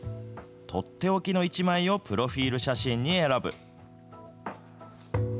取って置きの一枚をプロフィール写真に選ぶ。